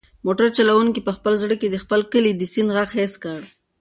موټر چلونکي په خپل زړه کې د خپل کلي د سیند غږ حس کړ.